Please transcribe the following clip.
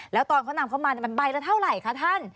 แล้วตอนเขานำเข้ามามันใบละเท่าไหร่คะท่าน